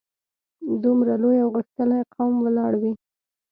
دومره لوی او غښتلی قوم ولاړ وي.